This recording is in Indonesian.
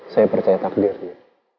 saya percaya takdirnya